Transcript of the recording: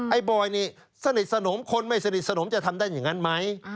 บอยนี่สนิทสนมคนไม่สนิทสนมจะทำได้อย่างนั้นไหม